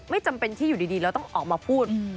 จำเป็นที่อยู่ดีเราต้องออกมาพูด